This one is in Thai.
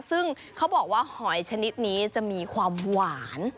ซึ่งเขาบอกว่าหอยชนิดนี้จะมีความหวาน